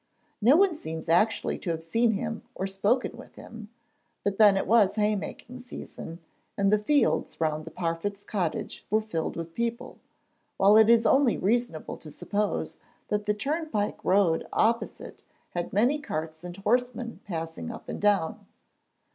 No one seems actually to have seen him or spoken with him, but then it was haymaking season, and the fields round the Parfitts' cottage were filled with people, while it is only reasonable to suppose that the turnpike road opposite had many carts and horsemen passing up and down.